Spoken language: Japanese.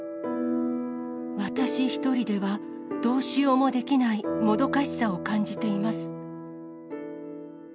私一人ではどうしようもできないもどかしさを感じています。